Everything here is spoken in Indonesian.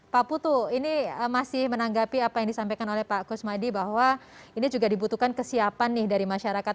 pak putu ini masih menanggapi apa yang disampaikan oleh pak kusmadi bahwa ini juga dibutuhkan kesiapan nih dari masyarakat